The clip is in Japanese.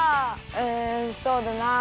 うんそうだなあ。